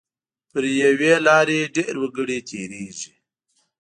پر یوې لارې ډېر وګړي تېریږي.